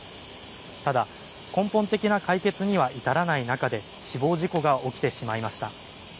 ただ根本的な解決には至らない中で、死亡事故が起きてしまいました。